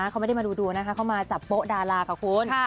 เขาไม่ได้มาดูดวงนะคะเขามาจับโป๊ะดาราค่ะคุณ